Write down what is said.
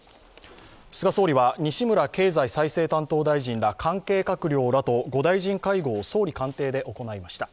菅総理は西村経済再生担当大臣ら関係閣僚らと５大臣会合を総理官邸で行いました。